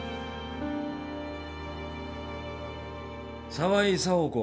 沢井紗保子。